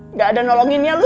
nggak ada nolonginnya lu